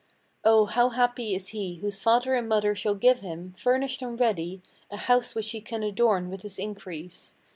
Oh, how happy is he whose father and mother shall give him, Furnished and ready, a house which he can adorn with his increase.